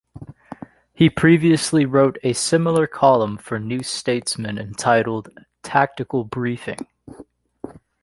He previously wrote a similar column for "New Statesman", entitled 'Tactical Briefing'.